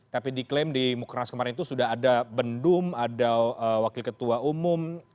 tapi diklaim di mukernas kemarin itu sudah ada bendum ada wakil ketua umum